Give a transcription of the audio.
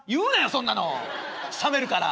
そんなの冷めるから。